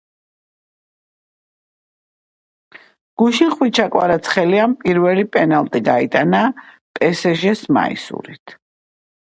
გუშინ ხვიჩა კვარაცხელიამ პირველი პენალტი გაიტანა პესეჟეს მაისურით